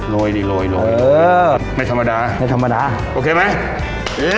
โรยดีโรยโรย